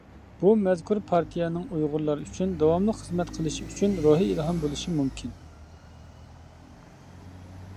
بۇ مەزكۇر پارتىيەنىڭ ئۇيغۇرلار ئۈچۈن داۋاملىق خىزمەت قىلىشى ئۈچۈن روھى ئىلھام بولۇشى مۇمكىن.